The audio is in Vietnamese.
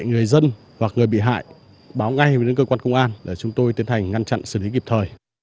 người dân hoặc người bị hại báo ngay với cơ quan công an để chúng tôi tiến hành ngăn chặn xử lý kịp thời